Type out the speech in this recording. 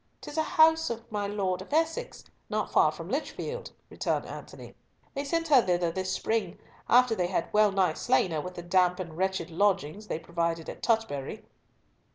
"'Tis a house of my Lord of Essex, not far from Lichfield," returned Antony. "They sent her thither this spring, after they had well nigh slain her with the damp and wretched lodgings they provided at Tutbury."